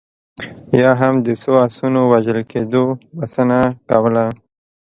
یا هم د څو اسونو وژل کېدو بسنه کوله.